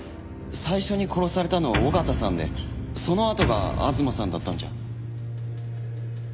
最初に殺されたのは緒方さんでそのあとが吾妻さんだったんじゃ？